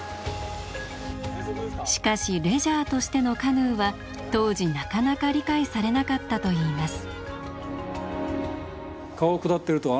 しかしレジャーとしてのカヌーは当時なかなか理解されなかったといいます。